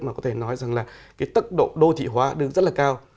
mà có thể nói rằng là cái tốc độ đô thị hóa đứng rất là cao